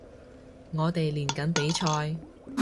我哋練緊比賽